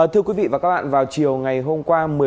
thưa quý vị và các bạn vào chiều ngày hôm qua